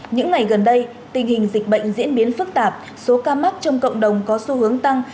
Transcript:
những ngày gần đây tình hình dịch bệnh diễn biến phức tạp số ca mắc trong cộng đồng có xu hướng tăng